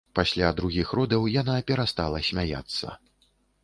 Пасля другіх родаў яна перастала смяяцца.